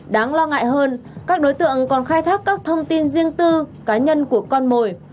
đáng lo ngại hơn các đối tượng còn khai thác các thông tin riêng tư cá nhân của con mồi